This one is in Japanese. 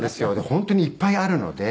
本当にいっぱいあるので。